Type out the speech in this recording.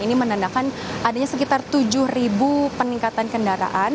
ini menandakan adanya sekitar tujuh peningkatan kendaraan